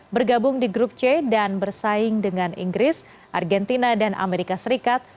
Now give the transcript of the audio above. bergabung di grup c dan bersaing dengan inggris argentina dan amerika serikat